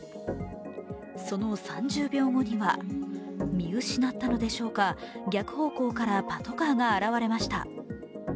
その３０秒後には見失ったのでしょうか逆方向からパトカーが現れました。